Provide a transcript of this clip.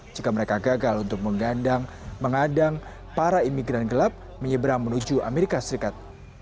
jika mereka gagal untuk menggandang mengadang para imigran gelap menyeberang menuju amerika serikat